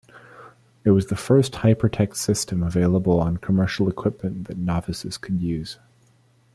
It was the first hypertext system available on commercial equipment that novices could use.